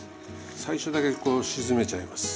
最初だけこう沈めちゃいます。